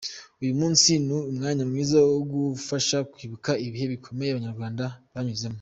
Uyu munsi ni umwanya mwiza wo kudufasha kwibuka ibihe bikomeye abanyarwanda banyuzemo.